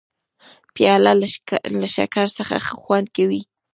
پیاله له شکر سره ښه خوند کوي.